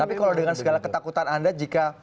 tapi kalau dengan segala ketakutan anda jika